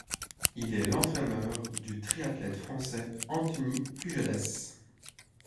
Il est l'entraîneur du triathlète français Anthony Pujades.